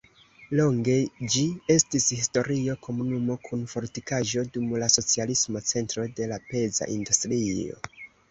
Longe ĝi estis historia komunumo kun fortikaĵo, dum la socialismo centro de peza industrio.